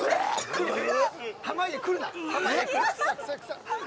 濱家、来るな！